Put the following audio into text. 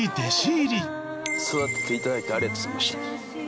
育てて頂いてありがとうございました。